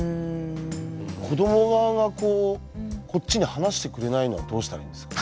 子供側が、こっちに話してくれないのはどうしたらいいんですか？